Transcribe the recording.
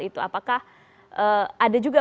itu apakah ada juga